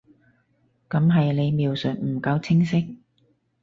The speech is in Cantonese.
噉係你描述唔夠清晰